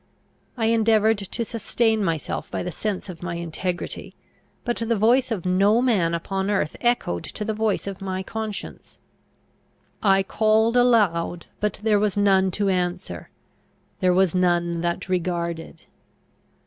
I endeavoured to sustain myself by the sense of my integrity, but the voice of no man upon earth echoed to the voice of my conscience. "I called aloud; but there was none to answer; there was none that regarded."